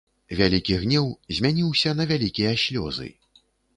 Вялікі гнеў змяніўся на вялікія слёзы.